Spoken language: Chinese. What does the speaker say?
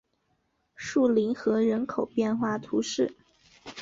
树林河人口变化图示